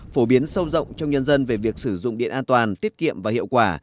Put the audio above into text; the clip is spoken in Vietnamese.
phổ biến sâu rộng trong nhân dân về việc sử dụng điện an toàn tiết kiệm và hiệu quả